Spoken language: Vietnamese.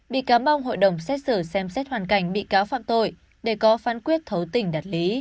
bị cáo mong hội đồng xét xử xem xét hoàn cảnh bị cáo phạm tội để có phán quyết thấu tình đạt lý